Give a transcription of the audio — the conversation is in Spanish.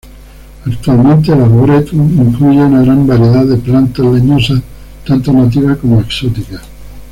Actualmente el arboretum incluye una gran variedad de plantas leñosas tanto nativas como exóticas.